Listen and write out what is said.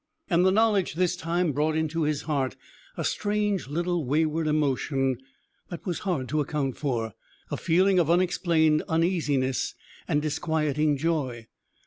And the knowledge, this time, brought into his heart a strange little wayward emotion that was hard to account for a feeling of unexplained uneasiness and disquieting joy.